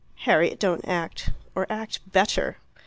"Harriet, don't act. Or act better."